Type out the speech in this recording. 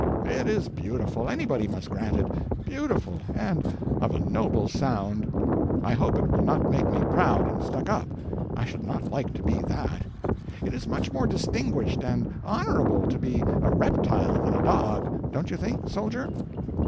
"It is beautiful, anybody must grant it; beautiful, and of a noble sound. I hope it will not make me proud and stuck up—I should not like to be that. It is much more distinguished and honorable to be a reptile than a dog, don't you think, Soldier?"